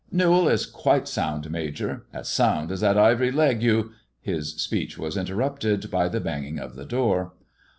"Newall is quite sound. Major — as sound as that ivory leg you " His speech was interrupted by the banging of the door.